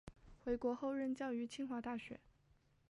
回国后任教于清华大学。